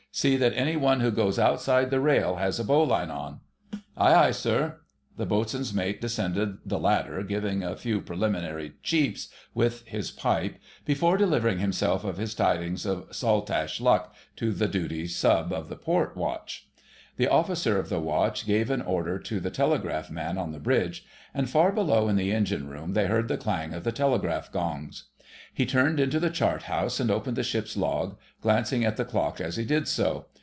See that any one who goes outside the rail has a bowline on." "Aye, aye, sir." The Boatswain's Mate descended the ladder, giving a few preliminary "cheeps" with his pipe before delivering himself of his tidings of "Saltash Luck" to the duty sub. of the port watch. The Officer of the Watch gave an order to the telegraph man on the bridge, and far below in the Engine room they heard the clang of the telegraph gongs. He turned into the chart house and opened the ship's log, glancing at the clock as he did so.